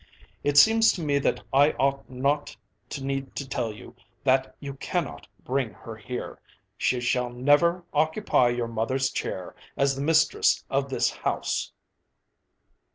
It seems to me that I ought not to need to tell you that you cannot bring her here. She shall never occupy your mother's chair as the mistress of this house."